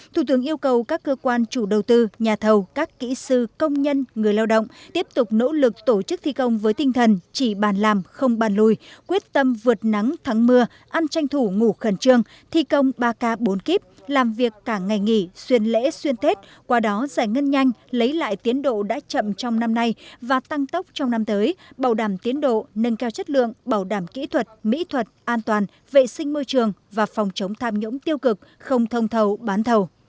thủ tướng yêu cầu các cơ quan chủ đầu tư nhà thầu các kỹ sư công nhân người lao động tiếp tục nỗ lực tổ chức thi công với tinh thần chỉ bàn làm không bàn lùi quyết tâm vượt nắng thắng mưa ăn tranh thủ ngủ khẩn trương thi công ba k bốn kíp làm việc cả ngày nghỉ xuyên lễ xuyên tết qua đó giải ngân nhanh lấy lại tiến độ đã chậm trong năm nay và tăng tốc trong năm tới bảo đảm tiến độ nâng cao chất lượng bảo đảm kỹ thuật mỹ thuật an toàn vệ sinh môi trường và phòng chống tham nhũng tiêu cực không thông thầu bán